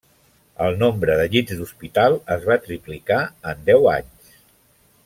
El nombre de llits d'hospital es va triplicar en deu anys.